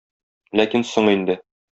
Ләкин соң инде.